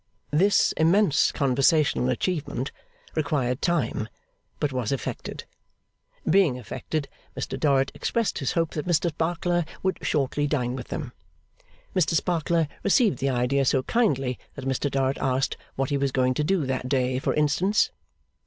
This immense conversational achievement required time, but was effected. Being effected, Mr Dorrit expressed his hope that Mr Sparkler would shortly dine with them. Mr Sparkler received the idea so kindly that Mr Dorrit asked what he was going to do that day, for instance?